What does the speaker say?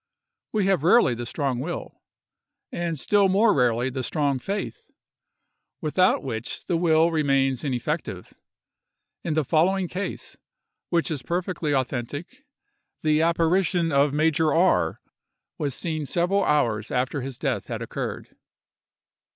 We have rarely the strong will, and still more rarely the strong faith, without which the will remains ineffective. In the following case, which is perfectly authentic, the apparition of Major R—— was seen several hours after his death had occurred.